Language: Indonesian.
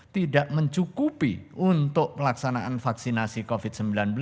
tidak mencukupi untuk pelaksanaan vaksinasi covid sembilan belas